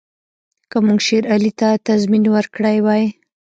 که موږ شېر علي ته تضمین ورکړی وای.